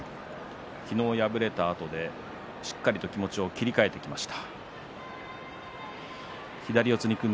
昨日敗れたあとでしっかりと気持ちを切り替えてきました